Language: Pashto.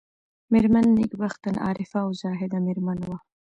مېرمن نېکبخته عارفه او زاهده مېرمن وه.